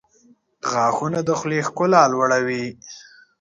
• غاښونه د خولې ښکلا لوړوي.